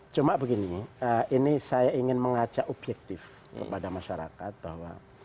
cuma begini ini saya ingin mengajak objektif kepada masyarakat bahwa